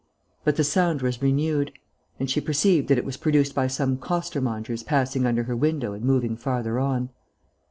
But the sound was renewed; and she perceived that it was produced by some costermongers passing under her window and moving farther on.